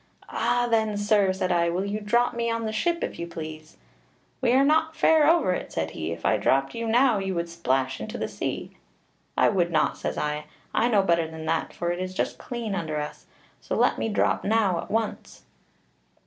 'Ah! then, sir,' said I, 'will you drop me on the ship, if you please?' 'We are not fair over it,' said he; 'if I dropped you now you would go splash into the sea.' 'I would not,' says I; 'I know better than that, for it is just clean under us, so let me drop now at once.'